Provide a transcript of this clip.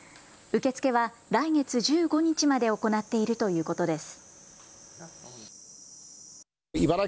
受け付けは来月１５日まで行っているということです。